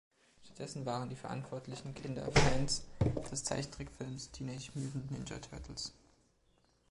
Stattdessen waren die verantwortlichen Kinder Fans des Zeichentrickfilms „Teenage Mutant Ninja Turtles".